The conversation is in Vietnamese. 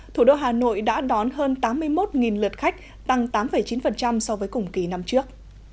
thủ đô hà nội đã đón hơn tám mươi một lượt khách tăng tám chín so với cùng kỳ năm trước